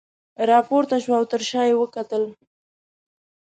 راپورته شوه او تر شاه یې وکتل.